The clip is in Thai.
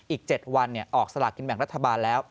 อีก๗วันออกสลากินแบ่งรัฐบาลแล้ว